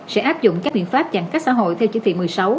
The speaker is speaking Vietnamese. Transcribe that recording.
sẽ áp dụng các biện pháp chẳng cách xã hội theo chí thị một mươi sáu